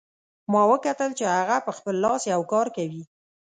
ما وکتل چې هغه په خپل لاس یو کار کوي